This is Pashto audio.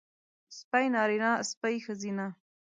سپی نارينه سپۍ ښځينۀ